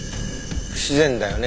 不自然だよね。